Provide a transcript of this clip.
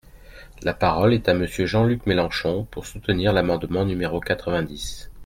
La parole est à Monsieur Jean-Luc Mélenchon, pour soutenir l’amendement numéro quatre-vingt-dix.